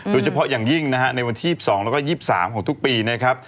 โดยเฉพาะอย่างยิ่งนะฮะในวันที่๒๒แล้วก็๒๓ของทุกปีนะครับ